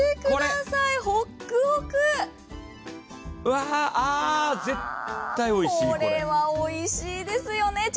これはおいしいですよね。